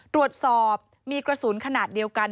ตรวจสอบมีกระสุนขนาดเดียวกัน